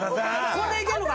これでいけんのか？